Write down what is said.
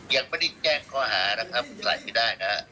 ยังไม่ได้แจ้งข้อหานะครับใส่ไม่ได้นะฮะ